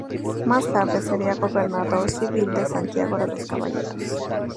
Más tarde, sería gobernador civil de Santiago de los Caballeros.